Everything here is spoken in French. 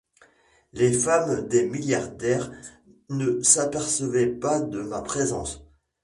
Les femmes des milliardaires ne s'apercevaient pas de ma présence.